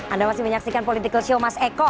anda masih menyaksikan political show mas eko